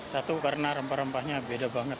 satu karena rempah rempahnya beda banget